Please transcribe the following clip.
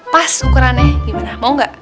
pas ukurannya gimana mau gak